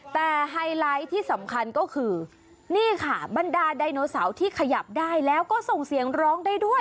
แต่ไฮไลท์ที่สำคัญก็คือนี่ค่ะบรรดาไดโนเสาร์ที่ขยับได้แล้วก็ส่งเสียงร้องได้ด้วย